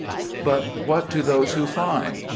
4 But what to those who find ?